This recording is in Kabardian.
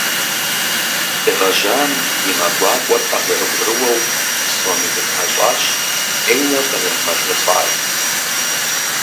Лы гъэжьам и мэ гуакӀуэр къазэрыӀурыуэу, псоми зыхащӀащ Ӏейуэ къызэрымэжэлӀар.